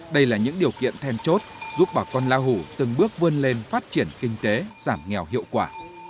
đây là những điều kiện then chốt giúp bà con la hủ từng bước vươn lên phát triển kinh tế giảm nghèo hiệu quả